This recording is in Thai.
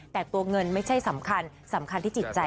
แต่ตัวเงินไม่ใช่สำคัญสำคัญที่จิตใจ